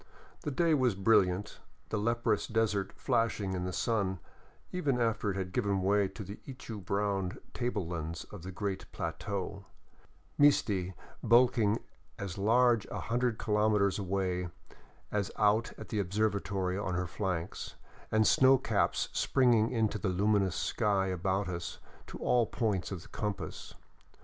The day was brilliant, the leprous desert flashing in the sun even after it had given way to the ichu brown tablelands of the great plateau, Misti bulking as large a hundred kilometers away as out at the observatory on her flanks, and snow caps springing up into the luminous sky about us to all points of the compass.